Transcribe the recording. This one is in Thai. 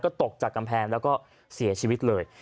ตกจากกำแพงแล้วก็เสียชีวิตเลย